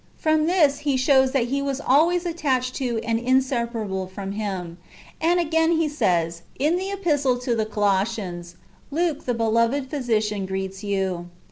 "* From this he shows that he was always attached to and inseparable from him. And again he says, in the Epistle to the Colossians :" Luke, the beloved physi cian, greets j^ou."